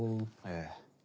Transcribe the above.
ええ。